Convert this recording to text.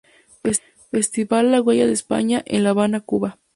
Festival La Huella de España, en La Habana, Cuba.